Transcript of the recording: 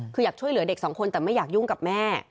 คืออยากช่วยเหลือเด็กสองคนแต่ไม่อยากยุ่งกับแม่